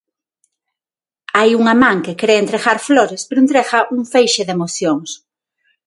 Hai unha man que cre entregar flores pero entrega un feixe de emocións.